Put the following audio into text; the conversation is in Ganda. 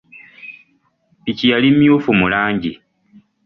Ppiki yali mmyufu mu langi.